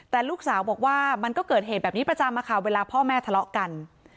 แต่ลูกสาวบอกว่ามันก็เกิดเหตุแบบนี้ประจำอะค่ะเวลาพ่อแม่ทะเลาะกัน